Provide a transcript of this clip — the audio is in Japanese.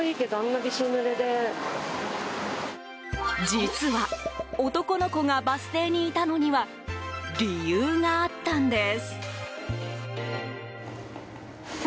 実は男の子がバス停にいたのには理由があったんです。